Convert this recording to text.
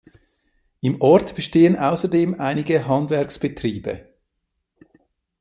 Im Ort bestehen außerdem einige Handwerksbetriebe.